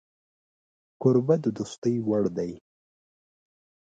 کوربه د دوستۍ وړ دی